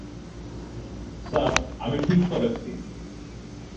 Sir, আমি ঠিক করেছি।